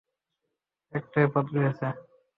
একটাই পথ রয়েছে।